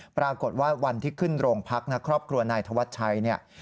ปรากฏว่าวันที่ขึ้นโรงพักนะครอบครัวนายธวัชชัยเนี่ย